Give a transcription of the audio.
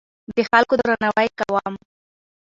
د خلکو درناوی کوم.